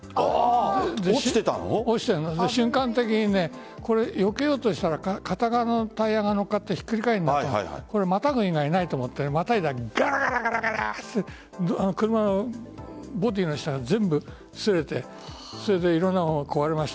瞬間的によけようとしたら片側のタイヤが乗っかってひっくり返ってまたぐ以外にないと思ってまたいだらガラガラっと車のボディーの下が全部擦れていろんなものが壊れました。